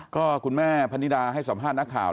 ก็คุณแม่พนิดาให้สัมภาษณ์นักข่าว